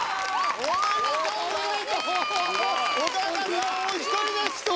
お一人です